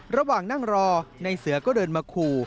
ระหว่างนั่งรอในเสือก็เดินมาขู่